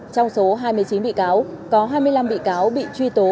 trong số hai mươi chín bị cáo có hai mươi năm bị cáo bị truy tố